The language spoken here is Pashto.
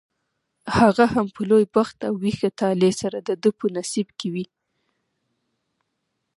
هغه هم په لوی بخت او ویښ طالع سره دده په نصیب کې وي.